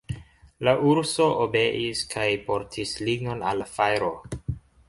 La urso obeis kaj portis lignon al la fajro.